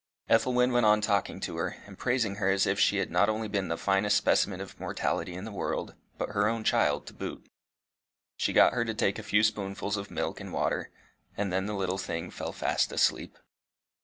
Ethelwyn went on talking to her, and praising her as if she had not only been the finest specimen of mortality in the world, but her own child to boot. She got her to take a few spoonfuls of milk and water, and then the little thing fell fast asleep.